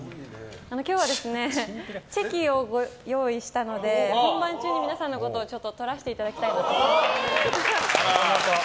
今日はチェキを用意したので本番中に皆さんのことを撮らせていただきたいなと。